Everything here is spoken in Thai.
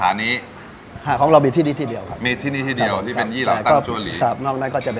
อาหารแต้จิ๋วมันมีหลักกลางต่างกับ